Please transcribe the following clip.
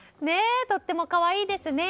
とっても可愛いですね。